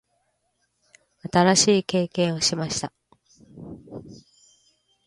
新しい経験をしました。